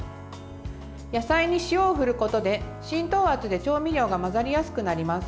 野菜に塩を振ることで浸透圧で調味料が混ざりやすくなります。